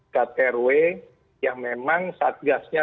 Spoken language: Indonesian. kat rw yang memang saat gasnya